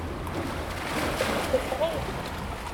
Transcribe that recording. Ifeɣ-t.